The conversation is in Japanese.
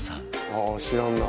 「ああ知らんな」